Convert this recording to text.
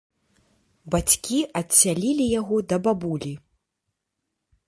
Бацькі адсялілі яго да бабулі.